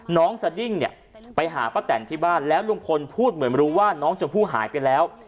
สดิ้งเนี่ยไปหาป้าแตนที่บ้านแล้วลุงพลพูดเหมือนรู้ว่าน้องชมพู่หายไปแล้ว